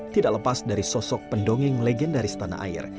tidak lepas dari sosok pendongeng legendaris tanah air